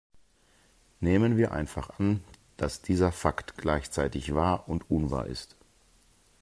Nehmen wir einfach an, dass dieser Fakt gleichzeitig wahr und unwahr ist.